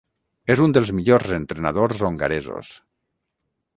És un dels millors entrenadors hongaresos.